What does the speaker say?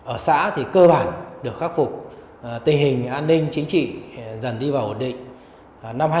ở xã thì cơ bản được khắc phục tình hình an ninh chính trị dần đi vào ổn định